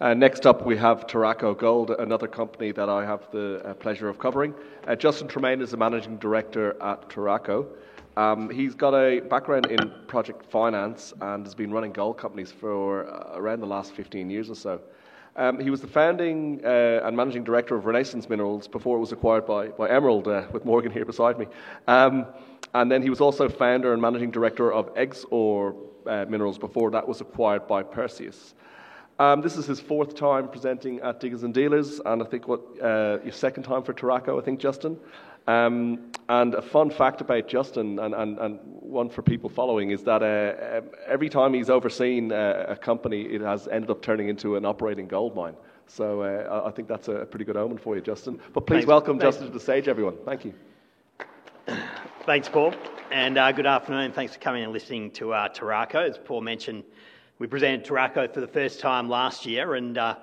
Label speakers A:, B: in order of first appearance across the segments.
A: Next up, we have Turaco Gold, another company that I have the pleasure of covering. Justin Tremain is the Managing Director at Turaco. He's got a background in project finance and has been running gold companies for around the last 15 years or so. He was the founding and Managing Director of Renaissance Minerals before it was acquired by Emerald, with Morgan here beside me. He was also founder and Managing Director of Exore Minerals before that was acquired by Perseus. This is his fourth time presenting at Diggers and Dealers, and I think your second time for Turaco, I think, Justin. A fun fact about Justin, and one for people following, is that every time he's overseen a company, it has ended up turning into an operating gold mine. I think that's a pretty good omen for you, Justin. Please welcome Justin to the stage, everyone. Thank you.
B: Thanks, Paul. Good afternoon. Thanks for coming and listening to our Turaco. As Paul mentioned, we presented Turaco for the first time last year, and I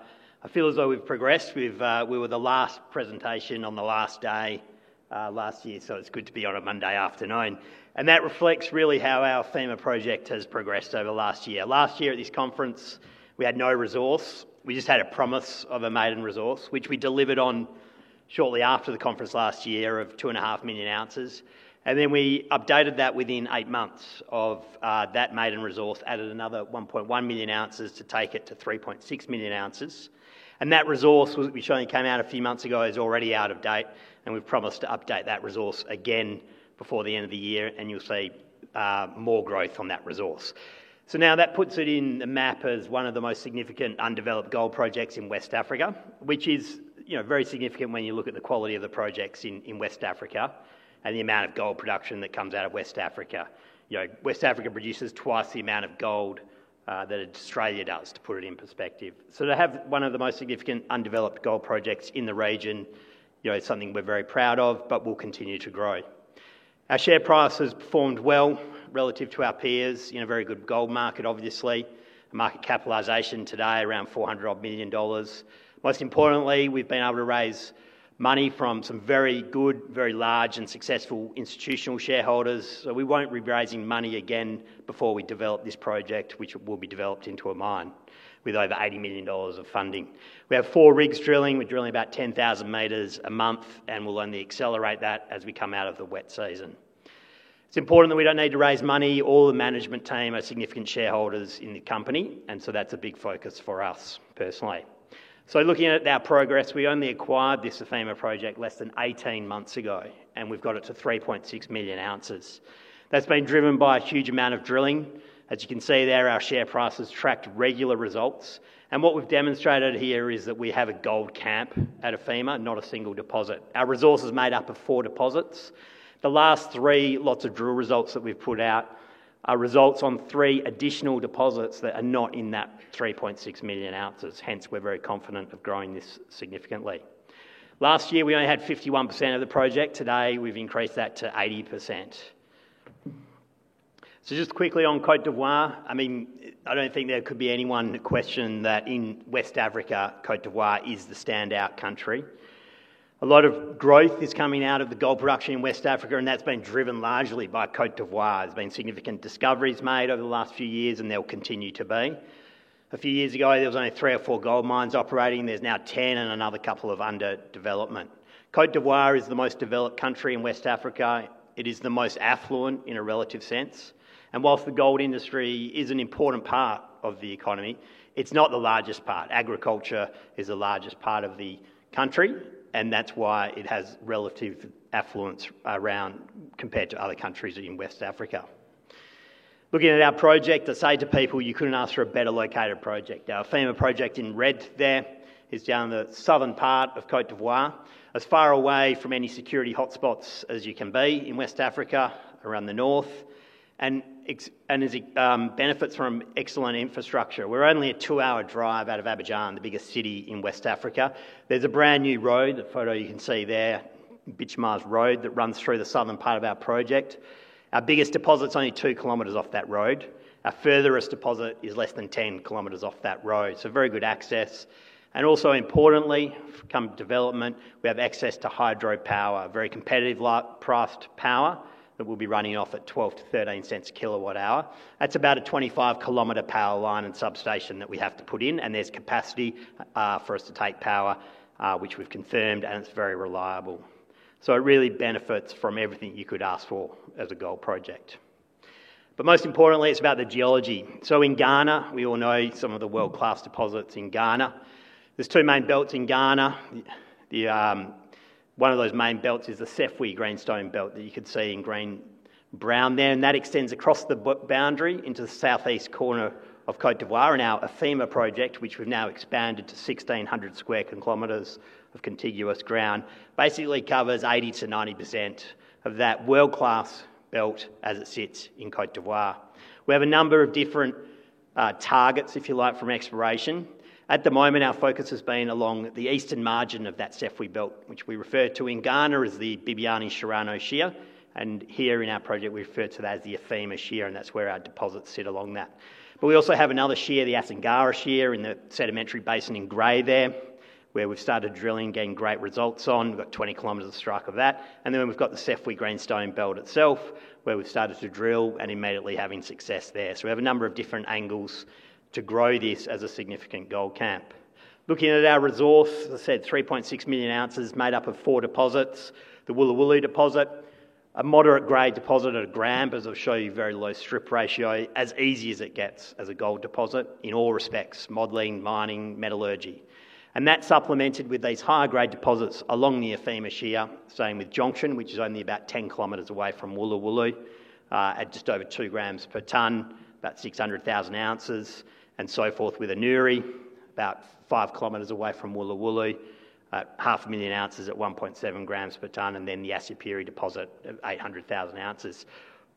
B: feel as though we've progressed. We were the last presentation on the last day last year, so it's good to be on a Monday afternoon. That reflects really how our Afema Gold Project has progressed over the last year. Last year at this conference, we had no resource. We just had a promise of a maiden resource, which we delivered on shortly after the conference last year of 2.5 million ounces. We updated that within eight months of that maiden resource, added another 1.1 million ounces to take it to 3.6 million ounces. That resource, which only came out a few months ago, is already out of date. We promised to update that resource again before the end of the year, and you'll see more growth on that resource. Now that puts it on the map as one of the most significant undeveloped gold projects in West Africa, which is very significant when you look at the quality of the projects in West Africa and the amount of gold production that comes out of West Africa. West Africa produces twice the amount of gold that Australia does, to put it in perspective. To have one of the most significant undeveloped gold projects in the region, it's something we're very proud of, but we'll continue to grow. Our share price has performed well relative to our peers in a very good gold market, obviously. Market capitalization today around 400 million dollars. Most importantly, we've been able to raise money from some very good, very large, and successful institutional shareholders. We won't be raising money again before we develop this project, which will be developed into a mine with over 80 million dollars of funding. We have four rigs drilling. We're drilling about 10,000 meters a month, and we'll only accelerate that as we come out of the wet season. It's important that we don't need to raise money. All the management team are significant shareholders in the company, and that's a big focus for us personally. Looking at our progress, we only acquired this Afema Gold Project less than 18 months ago, and we've got it to 3.6 million ounces. That's been driven by a huge amount of drilling. As you can see there, our share price has tracked regular results. What we've demonstrated here is that we have a gold camp at Afema, not a single deposit. Our resource is made up of four deposits. The last three lots of drill results that we've put out are results on three additional deposits that are not in that 3.6 million ounces. Hence, we're very confident of growing this significantly. Last year, we only had 51% of the project. Today, we've increased that to 80%. Just quickly on Côte d'Ivoire, I mean, I don't think there could be anyone to question that in West Africa, Côte d'Ivoire is the standout country. A lot of growth is coming out of the gold production in West Africa, and that's been driven largely by Côte d'Ivoire. There's been significant discoveries made over the last few years, and they'll continue to be. A few years ago, there was only three or four gold mines operating. There's now 10 and another couple under development. Côte d'Ivoire is the most developed country in West Africa. It is the most affluent in a relative sense. Whilst the gold industry is an important part of the economy, it's not the largest part. Agriculture is the largest part of the country, and that's why it has relative affluence compared to other countries in West Africa. Looking at our project, I say to people, you couldn't ask for a better located project. Our Afema Gold Project in red there is down in the southern part of Côte d'Ivoire, as far away from any security hotspots as you can be in West Africa, around the north, and benefits from excellent infrastructure. We're only a two-hour drive out of Abidjan, the biggest city in West Africa. There's a brand new road, the photo you can see there, Bitchemar's Road, that runs through the southern part of our project. Our biggest deposit's only 2 km off that road. Our furthest deposit is less than 10 km off that road. Very good access. Also importantly, come development, we have access to hydropower, very competitively priced power that we'll be running off at 0.12-0.13 per kWh. That's about a 25-km power line and substation that we have to put in, and there's capacity for us to take power, which we've confirmed, and it's very reliable. It really benefits from everything you could ask for as a gold project. Most importantly, it's about the geology. In Ghana, we all know some of the world-class deposits in Ghana. There's two main belts in Ghana. One of those main belts is the Sefwi Greenstone Belt that you can see in green and brown there, and that extends across the boundary into the southeast corner of Côte d'Ivoire. Our Afema Gold Project, which we've now expanded to 1,600 square kilometers of contiguous ground, basically covers 80%-90% of that world-class belt as it sits in Côte d'Ivoire. We have a number of different targets, if you like, from exploration. At the moment, our focus has been along the eastern margin of that Sefwi Greenstone Belt, which we refer to in Ghana as the Bibiani-Sefwi Shear. Here in our project, we refer to that as the Afema Shear, and that's where our deposits sit along that. We also have another shear, the Asingara Shear, in the sedimentary basin in gray there, where we've started drilling, getting great results on. We've got 20 km of strike of that. We've got the Sefwi Greenstone Belt itself, where we've started to drill and immediately having success there. We have a number of different angles to grow this as a significant gold camp. Looking at our resource, as I said, 3.6 million ounces made up of four deposits: the Woulo Woulo deposit, a moderate-grade deposit at a gram, as I'll show you, very low strip ratio, as easy as it gets as a gold deposit in all respects, modeling, mining, metallurgy. That's supplemented with these higher-grade deposits along the Afema Shear, same with Jonction, which is only about 10 km away from Woulo Woulo at just over two grams per ton, about 600,000 ounces, and so forth with Anuiri, about 5 km away from Woulo Woulo, 500,000 ounces at 1.7 grams per ton, and then the Asupiri deposit of 800,000 ounces.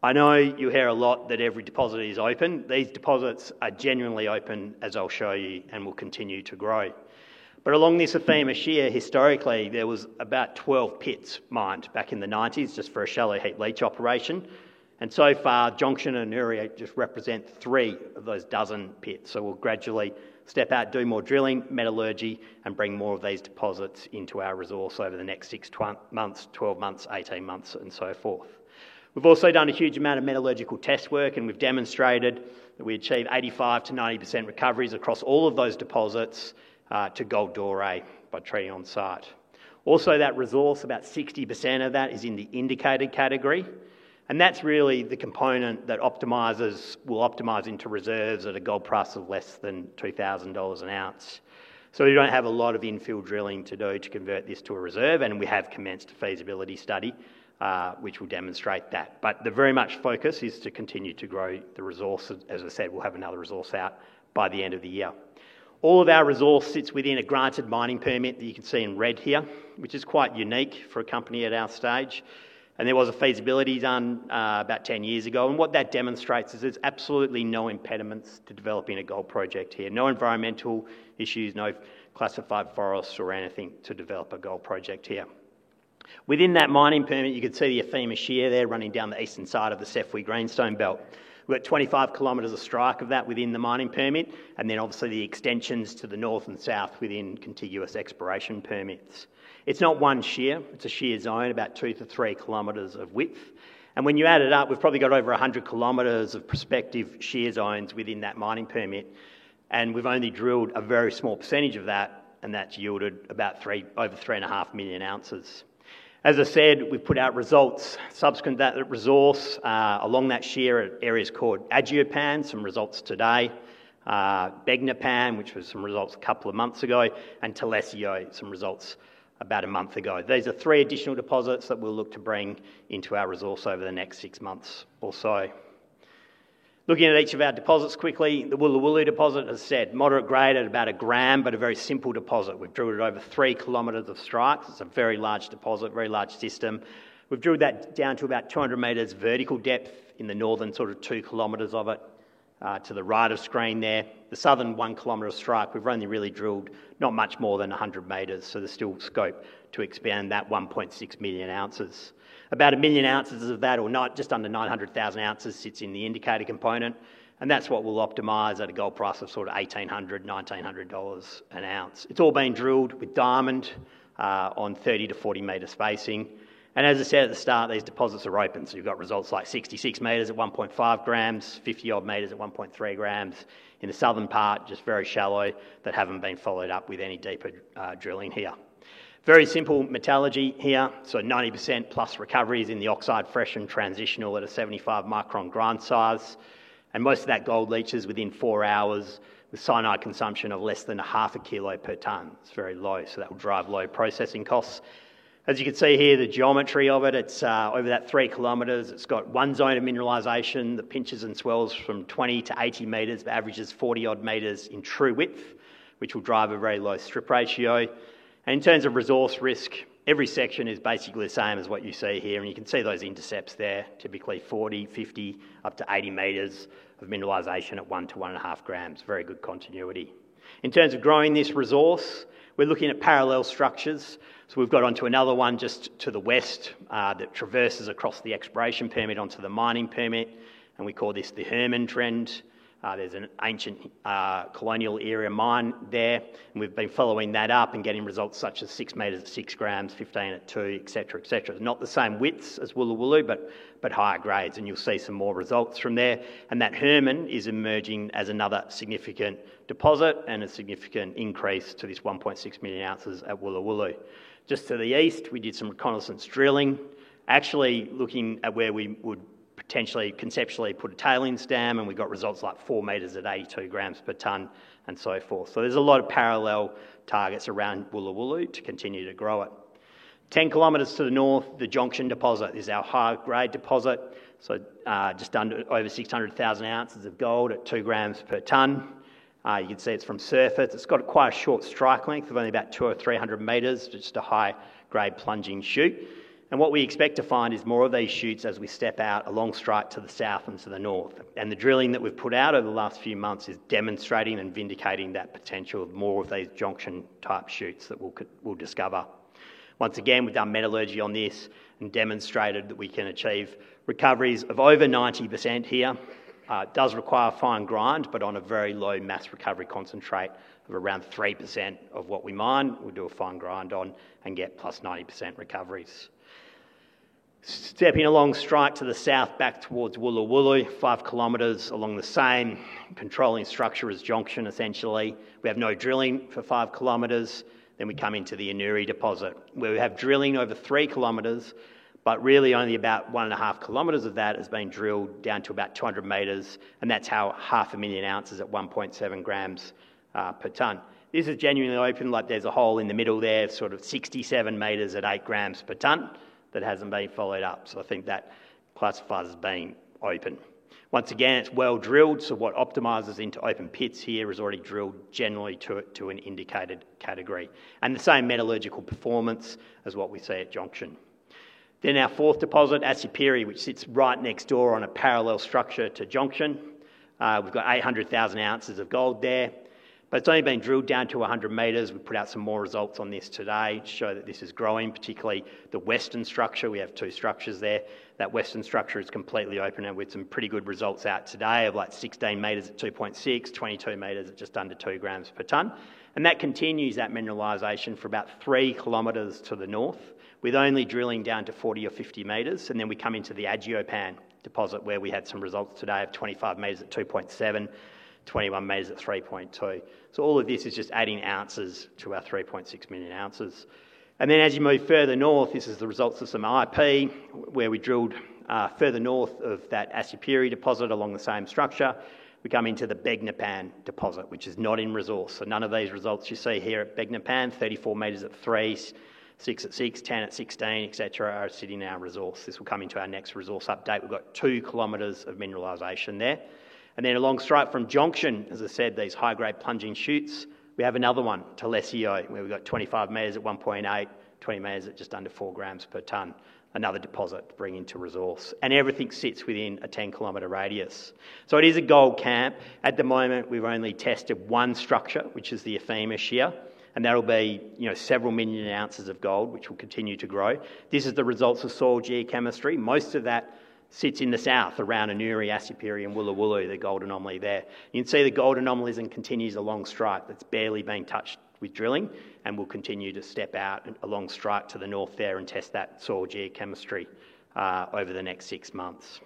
B: I know you hear a lot that every deposit is open. These deposits are genuinely open, as I'll show you, and will continue to grow. Along this Afema Shear, historically, there were about 12 pits mined back in the 1990s just for a shallow heap leach operation. So far, Jonction and Anuiri just represent three of those dozen pits. We'll gradually step out, do more drilling, metallurgy, and bring more of these deposits into our resource over the next 6 months, 12 months, 18 months, and so forth. We've also done a huge amount of metallurgical test work, and we've demonstrated that we achieve 85%-90% recoveries across all of those deposits to gold doré by treating on site. Also, that resource, about 60% of that is in the indicated category. That's really the component that optimizers will optimize into reserves at a gold price of less than 3,000 dollars an ounce. You don't have a lot of infill drilling to do to convert this to a reserve, and we have commenced a feasibility study which will demonstrate that. The very much focus is to continue to grow the resource. As I said, we'll have another resource out by the end of the year. All of our resource sits within a granted mining permit that you can see in red here, which is quite unique for a company at our stage. There was a feasibility done about 10 years ago. What that demonstrates is there's absolutely no impediments to developing a gold project here. No environmental issues, no classified forests or anything to develop a gold project here. Within that mining permit, you can see the Afema Shear there running down the eastern side of the Sefwi Greenstone Belt. We're at 25 km of strike of that within the mining permit, and obviously the extensions to the north and south within contiguous exploration permits. It's not one shear. It's a shear zone, about 2-3 km of width. When you add it up, we've probably got over 100 km of prospective shear zones within that mining permit. We've only drilled a very small percentage of that, and that's yielded about over 3.5 million ounces. As I said, we put out results subsequent to that resource along that shear at areas called Adgeopan, some results today, Begnopan, which was some results a couple of months ago, and Talesio, some results about a month ago. These are three additional deposits that we'll look to bring into our resource over the next six months or so. Looking at each of our deposits quickly, the Woolloowoomba deposit, as I said, moderate grade at about a gram, but a very simple deposit. We've drilled it over 3 km of strike. It's a very large deposit, very large system. We've drilled that down to about 200 meters vertical depth in the northern sort of 2 km of it to the right of screen there. The southern 1 km of strike, we've only really drilled not much more than 100 meters, so there's still scope to expand that 1.6 million ounces. About a million ounces of that or not, just under 900,000 ounces sits in the indicated component, and that's what we'll optimize at a gold price of sort of 1,800, 1,900 dollars an ounce. It's all being drilled with diamond on 30-40 meter spacing. As I said at the start, these deposits are open. You've got results like 66 meters at 1.5 grams, 50 odd meters at 1.3 grams in the southern part, just very shallow that haven't been followed up with any deeper drilling here. Very simple metallurgy here, so 90%+ recoveries in the oxide, fresh and transitional at a 75 micron grind size. Most of that gold leaches within four hours. The cyanide consumption is less than 0.5 kg per ton. It's very low, so that will drive low processing costs. As you can see here, the geometry of it is over that 3 km. It's got one zone of mineralization that pinches and swells from 20-80 meters, but averages 40 odd meters in true width, which will drive a very low strip ratio. In terms of resource risk, every section is basically the same as what you see here. You can see those intercepts there, typically 40, 50, up to 80 meters of mineralization at 1-1.5 grams. Very good continuity. In terms of growing this resource, we're looking at parallel structures. We've got onto another one just to the west that traverses across the exploration permit onto the mining permit. We call this the Herman Trend. There's an ancient colonial area mine there. We've been following that up and getting results such as 6 meters at 6 grams, 15 at 2, etc. It's not the same widths as Woulo Woulo, but higher grades. You'll see some more results from there. That Herman is emerging as another significant deposit and a significant increase to this 1.6 million ounces at Woulo Woulo. Just to the east, we did some reconnaissance drilling, actually looking at where we would potentially conceptually put a tailings dam. We got results like 4 meters at 82 grams per ton and so forth. There are a lot of parallel targets around Woolloowoomba to continue to grow it. 10 km to the north, the Jonction deposit is our high grade deposit. Just under or over 600,000 ounces of gold at 2 grams per ton. You can see it's from surface. It's got quite a short strike length of only about 200 or 300 meters, just a high grade plunging chute. What we expect to find is more of these chutes as we step out along strike to the south and to the north. The drilling that we've put out over the last few months is demonstrating and vindicating that potential of more of these Jonction type chutes that we'll discover. Once again, we've done metallurgy on this and demonstrated that we can achieve recoveries of over 90% here. It does require fine grind, but on a very low mass recovery concentrate of around 3% of what we mine, we'll do a fine grind on and get +90% recoveries. Stepping along strike to the south back towards Woulo Woulo, 5 km along the same controlling structure as Jonction, essentially, we have no drilling for 5 km. We come into the Anuiri deposit where we have drilling over 3 km, but really only about 1.5 km of that has been drilled down to about 200 meters. That's how 500,000 ounces at 1.7 grams per ton. This is genuinely open, like there's a hole in the middle there, sort of 67 meters at 8 grams per ton that hasn't been followed up. I think that plus plus has been open. Once again, it's well drilled. What optimizes into open pits here has already drilled generally to an indicated category, and the same metallurgical performance as what we see at Jonction. Our fourth deposit, Asupiri, sits right next door on a parallel structure to Jonction. We've got 800,000 ounces of gold there, but it's only been drilled down to 100 meters. We put out some more results on this today to show that this is growing, particularly the western structure. We have two structures there. That western structure is completely open and with some pretty good results out today of like 16 meters at 2.6, 22 meters at just under 2 grams per ton. That continues that mineralization for about 3 km to the north with only drilling down to 40-50 meters. We come into the Adgeopan deposit where we had some results today of 25 meters at 2.7, 21 meters at 3.2. All of this is just adding ounces to our 3.6 million ounces. As you move further north, this is the results of some IP where we drilled further north of that Asupiri deposit along the same structure. We come into the Begnopan deposit, which is not in resource. None of these results you see here at Begnopan, 34 meters at 3, 6 at 6, 10 at 16, etc, are sitting in our resource. This will come into our next resource update. We've got 2 km of mineralization there. Along strike from Jonction, as I said, these high grade plunging chutes, we have another one, Toilesso, where we've got 25 meters at 1.8, 20 meters at just under 4 grams per ton. Another deposit to bring into resource. Everything sits within a 10 km radius. It is a gold camp. At the moment, we've only tested one structure, which is the Afema Shear. That'll be several million ounces of gold, which will continue to grow. This is the results of soil geochemistry. Most of that sits in the south around Anuiri, Asupiri, and Woulo Woulo, the gold anomaly there. You can see the gold anomaly continues along strike. It's barely being touched with drilling. We'll continue to step out along strike to the north there and test that soil geochemistry over the next six months.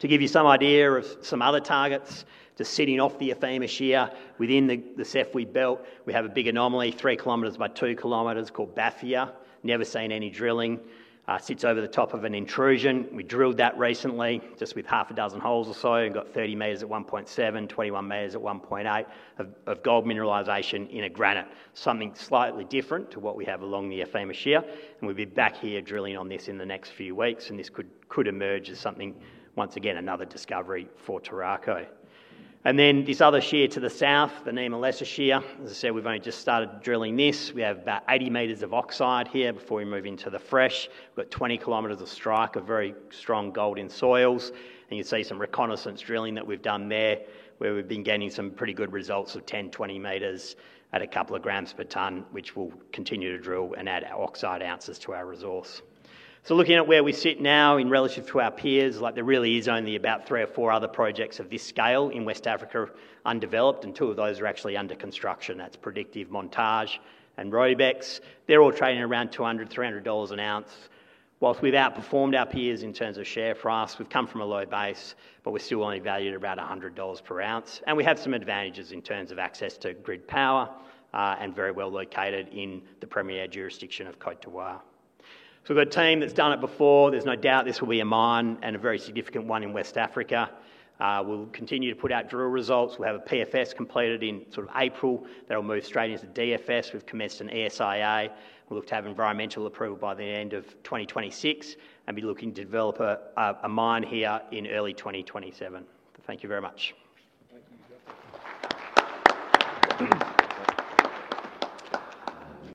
B: To give you some idea of some other targets just sitting off the Afema Shear within the Sefwi Greenstone Belt, we have a big anomaly 3 km by 2 km called Bathia. Never seen any drilling. Sits over the top of an intrusion. We drilled that recently just with half a dozen holes or so and got 30 meters at 1.7, 21 meters at 1.8 of gold mineralization in a granite. Something slightly different to what we have along the Afema Shear. We'll be back here drilling on this in the next few weeks. This could emerge as something, once again, another discovery for Turaco. This other shear to the south, the Niamienlessa Shear, as I said, we've only just started drilling this. We have about 80 meters of oxide here before we move into the fresh. We've got 20 km of strike, a very strong gold in soils. You can see some reconnaissance drilling that we've done there where we've been getting some pretty good results of 10, 20 meters at a couple of grams per ton, which we'll continue to drill and add our oxide ounces to our resource. Looking at where we sit now in relative to our peers, there really is only about three or four other projects of this scale in West Africa undeveloped. Two of those are actually under construction. That's Predictive, Montage, and Robex. They're all trading around 200, 300 dollars an ounce. Whilst we've outperformed our peers in terms of share price, we've come from a low base, but we're still only valued at about 100 dollars per ounce. We have some advantages in terms of access to grid power and very well located in the premier jurisdiction of Côte d'Ivoire. We've got a team that's done it before. There's no doubt this will be a mine and a very significant one in West Africa. We'll continue to put out drill results. We'll have a PFS completed in sort of April. That'll move straight into DFS. We've commenced an ESIA. We'll look to have environmental approval by the end of 2026 and be looking to develop a mine here in early 2027. Thank you very much.